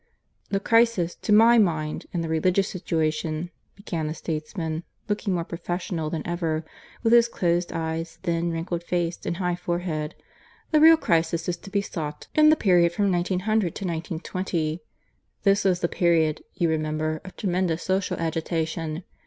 "The crisis, to my mind, in the religious situation," began the statesman, looking more professional than ever, with his closed eyes, thin, wrinkled face, and high forehead "the real crisis is to be sought in the period from 1900 to 1920. "This was the period, you remember, of tremendous social agitation.